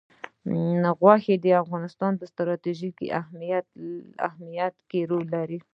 غوښې د افغانستان په ستراتیژیک اهمیت کې رول لري.